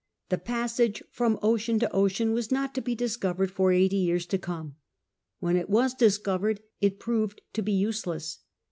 The passage from ocean to ocean was not to be discovered for eighty years to come. When it was dis covered it proved to be useless.